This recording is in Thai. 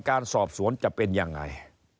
การสอบสวนจะเป็นยังไง